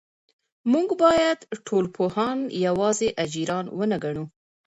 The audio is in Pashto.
موږ باید ټولنپوهان یوازې اجیران ونه ګڼو.